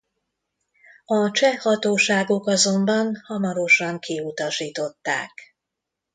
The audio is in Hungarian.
A cseh hatóságok azonban hamarosan kiutasították.